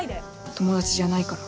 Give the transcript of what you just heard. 友達じゃないから。